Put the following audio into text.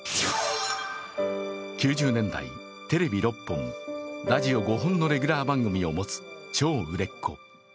９０年代、テレビ６本、ラジオ５本のレギュラー番組を持つ超売れっ子。